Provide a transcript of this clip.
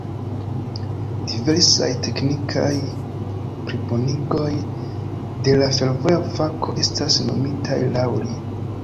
Diversaj teknikaj plibonigoj de la fervoja fako estas nomitaj laŭ li.